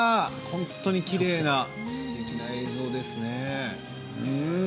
本当にきれいなすてきな映像ですね。